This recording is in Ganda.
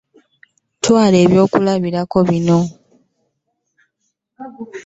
Twala ebyokulabirako bino